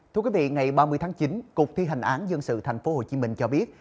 thưa quý vị ngày ba mươi tháng chín cục thi hành án dân sự tp hcm cho biết